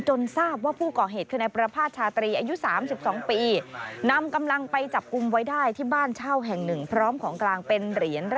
จนทราบว่าผู้ก่อเหตุคือในประพาทชาตรี